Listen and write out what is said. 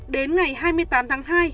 đến ngày hai mươi tám tháng hai